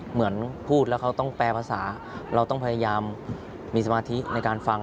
เหมือนพูดแล้วเขาต้องแปลภาษาเราต้องพยายามมีสมาธิในการฟัง